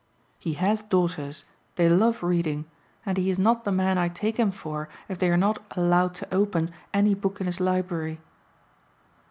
"He has daughters: they love reading: and he is not the man I take him for if they are not 'allowed to open' any book in his library."